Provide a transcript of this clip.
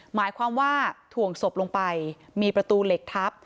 หมายความว่าถ่วงศพลงไปมีประตูเหล็กทับ